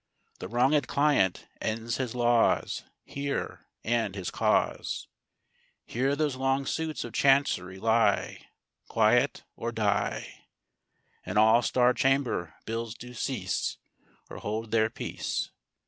The wronged client ends his laws Here, and his cause; Here those long suits of Chancery lie Quiet, or die; And all Star chamber bills do cease, Or hold their peace.